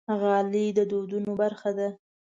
غالۍ د دودونو برخه ده.